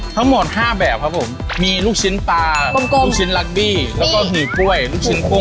ทั้งหมด๕แบบครับผมมีลูกชิ้นปลาลูกชิ้นลักบี้แล้วก็หมี่กล้วยลูกชิ้นกุ้